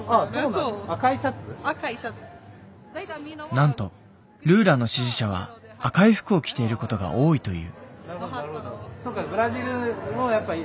なんとルーラの支持者は赤い服を着ていることが多いという。